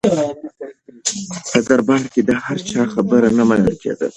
په دربار کې د هر چا خبره نه منل کېده.